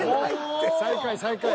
最下位最下位。